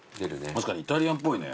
確かにイタリアンっぽいね。